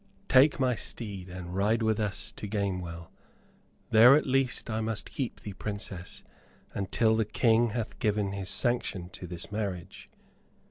"Take my steed and ride with us to Gamewell. There, at least, I must keep thee, Princess, until the King hath given his sanction to this marriage.